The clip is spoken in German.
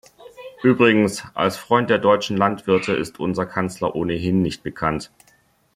Übrigens, als Freund der deutschen Landwirte ist unser Kanzler ohnehin nicht bekannt!